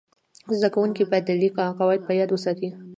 زده کوونکي باید د لیک قواعد په یاد وساتي.